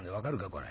これ。